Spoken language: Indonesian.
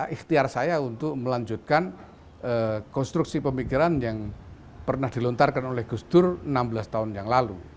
ikhtiar saya untuk melanjutkan konstruksi pemikiran yang pernah dilontarkan oleh gus dur enam belas tahun yang lalu